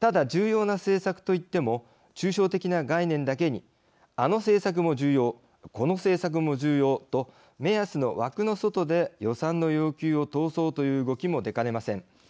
ただ、重要な政策といっても抽象的な概念だけにあの政策も重要この政策も重要と目安の枠の外で予算の要求を通そうという動きも出かねません。